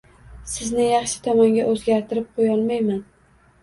Sizni yaxshi tomonga o’zgartirib qo’yolmayman.